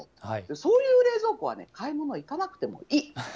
そういう冷蔵庫はね、買い物行かなくてもいい。